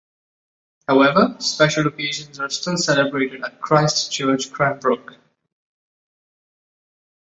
However, special occasions are still celebrated at Christ Church Cranbrook.